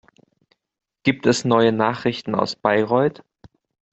Gibt es neue Nachrichten aus Bayreuth?